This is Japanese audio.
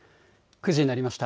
９時になりました。